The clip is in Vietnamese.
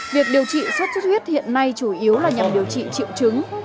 việc điều trị sốt xuất huyết hiện nay chủ yếu là nhằm điều trị triệu chứng